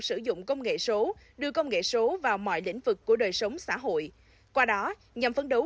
sử dụng công nghệ số đưa công nghệ số vào mọi lĩnh vực của đời sống xã hội qua đó nhằm phấn đấu